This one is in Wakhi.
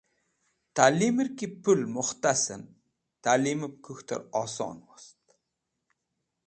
Talimẽr ki pũl mukhtasẽn talimẽb kũk̃htẽr oson wost.